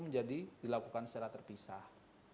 menjadi dilakukan secara terpisah